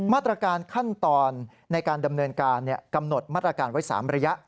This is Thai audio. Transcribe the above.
มาตรการขั้นตอนในการดำเนินการกำหนดมาตรการไว้๓ระยะ